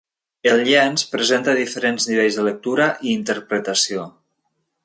El llenç presenta diferents nivells de lectura i interpretació.